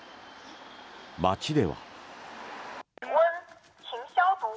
街では。